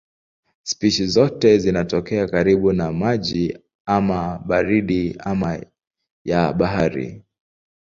Spishi zote zinatokea karibu na maji ama baridi ama ya bahari.